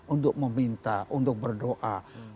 untuk meminta untuk berdoa